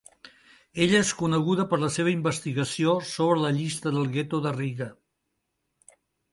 Ella és coneguda per la seva investigació sobre la llista del Gueto de Riga.